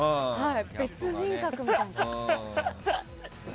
別人格みたい。